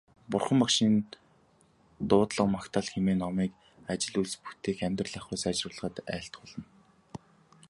Бурхан Багшийн дуудлага магтаал хэмээх номыг ажил үйлс бүтээх, амьдрал ахуйг сайжруулахад айлтгуулна.